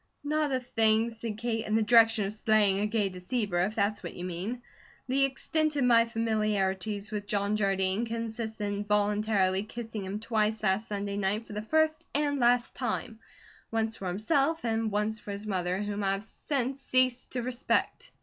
"Not a thing," said Kate, "in the direction of slaying a gay deceiver, if that's what you mean. The extent of my familiarities with John Jardine consists in voluntarily kissing him twice last Sunday night for the first and last time, once for himself, and once for his mother, whom I have since ceased to respect."